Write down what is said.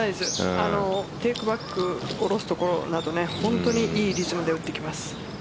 テークバック、下ろすところ本当にいいリズムで打ってきます。